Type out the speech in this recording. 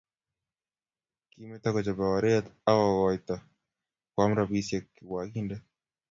Kimeto kochope oret akokotai koam rabisiek kirwagindet